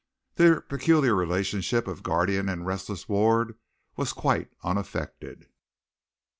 Their peculiar relationship of guardian and restless ward was quite unaffected.